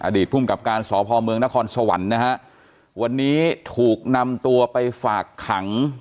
ภูมิกับการสพเมืองนครสวรรค์นะฮะวันนี้ถูกนำตัวไปฝากขัง